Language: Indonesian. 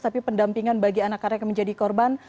tapi pendampingan bagi anak anak yang menjadi korban